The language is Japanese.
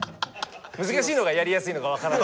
難しいのかやりやすいのか分からない。